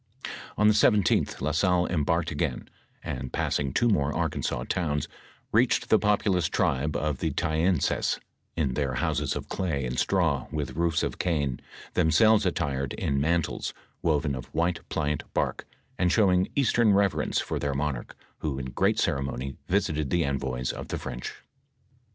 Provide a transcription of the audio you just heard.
On the 17th, La Salle embarked again, and passing two more Arkansas towns, reached the populous tribe of the Ta ensas, in their houses of clay and straw, with roofs of cane, themselves attired in mantles, woven of white pliant bark, and showing Eastern reverence 'for their monarch, who in great ceremony visited the envoys of the French.